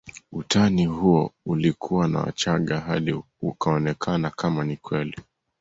Utani huo ulikuzwa na wachaga hadi ukaonekana kama ni kweli